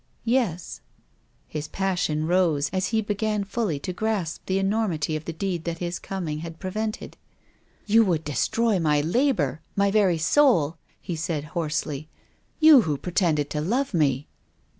"Yes." His passion rose, as he began fully to grasp l8o TONGUES OF CONSCIENCE. the enormity of the deed that his coming had prevented, " You would destroy my labour, my very soul," he said hoarsely. "You who pretended to love me!"